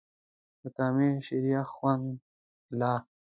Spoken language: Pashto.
د کامې شریخ خوند لا